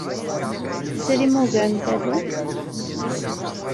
Tesrim ugar n tallunt?